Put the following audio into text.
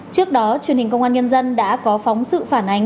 trước đó truyền hình công an nhân dân đã có phóng sự phản ánh